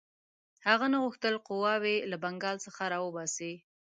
هغه نه غوښتل قواوې له بنګال څخه را وباسي.